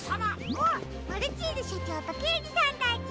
あっマルチーズしょちょうとけいじさんたち。